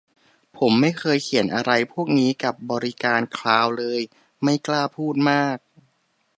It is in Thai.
ผมไม่เคยเขียนอะไรพวกนี้กับบริการคลาวด์เลย ไม่กล้าพูดมาก